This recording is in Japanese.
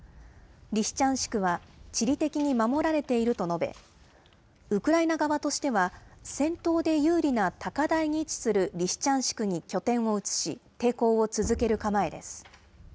リシチャンシクは地理的に守られていると述べ、ウクライナ側としては戦闘で有利な高台に位置するリシチャンシクに拠点を移し、抵抗を続ける構えです。